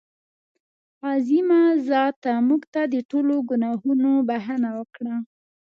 عظیمه ذاته مونږ ته د ټولو ګناهونو بښنه وکړه.